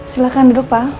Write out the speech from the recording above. silakan duduk pak